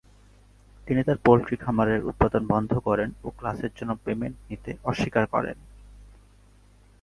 তিনি তার পোল্ট্রি খামারের উৎপাদন বন্ধ করেন ও ক্লাসের জন্য পেমেন্ট নিতে অস্বীকার করেন।